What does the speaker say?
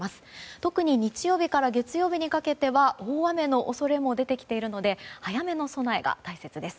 特に日曜日から月曜日にかけて大雨の恐れも出てきていて早めの備えが大切です。